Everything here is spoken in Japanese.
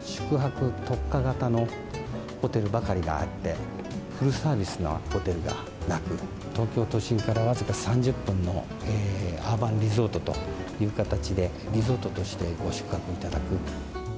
宿泊特化型のホテルばかりがあって、フルサービスのホテルがなく、東京都心から僅か３０分のアーバンリゾートという形で、リゾートとしてご宿泊いただく。